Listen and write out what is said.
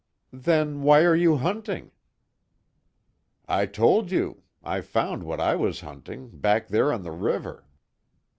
"Then, why are you hunting?" "I told you. I found what I was hunting back there on the river.